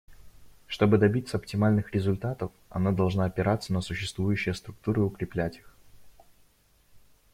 Чтобы добиться оптимальных результатов, она должна опираться на существующие структуры и укреплять их.